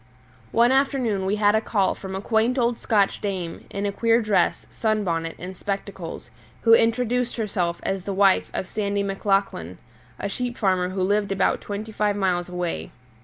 One afternoon we had a call from a quaint old Scotch dame, in a queer dress, sunbonnet, and spectacles, who introduced herself as the wife of Sandy Maclachlan, a sheep farmer who lived about twenty five miles away.